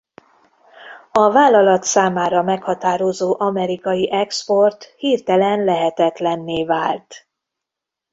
A vállalat számára meghatározó amerikai export hirtelen lehetetlenné vált.